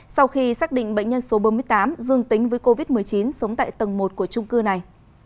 sau khi xác định bệnh nhân số bốn mươi tám dương tính với covid một mươi chín sống tại tầng một của trung cư này